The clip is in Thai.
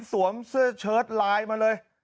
สวมเสื้อเชิดไลน์มาเลย